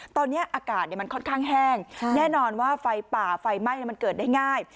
ตอนนี้อากาศมันค่อนข้างแห้งแน่นอนว่าไฟป่าไฟไหม้มันเกิดได้ง่าย